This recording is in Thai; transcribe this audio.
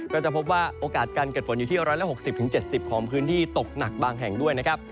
ก็จะพบว่าโอกาสการเกิดฝนอยู่ที่๑๖๐๗๐ของพื้นที่ตกหนักบางแห่งด้วยนะครับ